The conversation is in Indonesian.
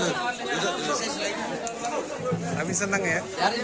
tapi seneng ya